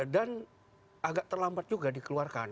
dan agak terlambat juga dikeluarkan